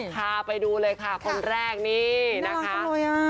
ทาไปดูเลยค่ะคนแรกนี่นะคะน่ารักมากเลยอ่ะ